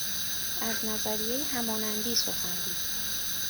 از نظریه همانندی سخن گفت